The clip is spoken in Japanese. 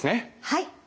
はい。